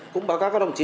cũng báo cáo các đồng chí